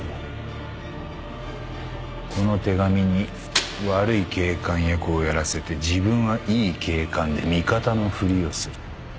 この手紙に悪い警官役をやらせて自分はいい警官で味方のふりをする。